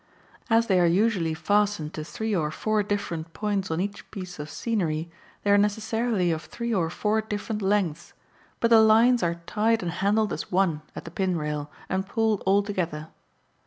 As they are usually fastened to three or four different points on each piece of scenery they are necessarily of three or four different lengths, but the lines are tied and handled as one at the pin rail, and pulled all together.